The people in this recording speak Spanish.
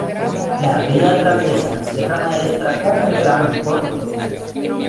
La vía atraviesa la Sierra Maestra con un gran corte.